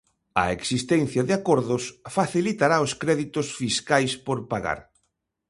A existencia de acordos facilitará os créditos fiscais por pagar.